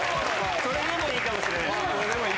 それでもいいかもしれない。